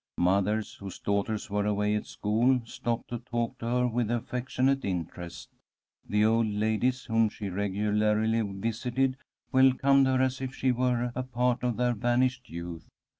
Mothers, whose daughters were away at school, stopped to talk to her with affectionate interest. The old ladies whom she regularly visited welcomed her as if she were a part of their vanished youth.